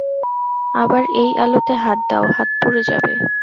আবার এই আলোতে হাত দাও, হাত পুড়ে যাবে।